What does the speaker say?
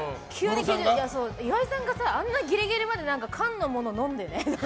岩井さんがあんなギリギリまで缶のものを飲んでね。